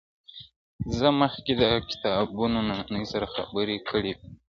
زه مخکي د کتابتوننۍ سره خبري کړي وو!.